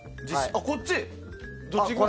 こっち？